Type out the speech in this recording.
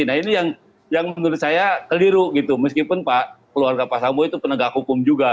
nah ini yang menurut saya keliru gitu meskipun keluarga pak sambo itu penegak hukum juga